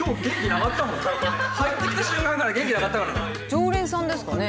常連さんですかね？